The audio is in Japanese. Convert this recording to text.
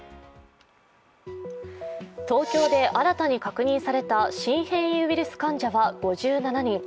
東京で新たに確認された新変異ウイルス患者は５７人。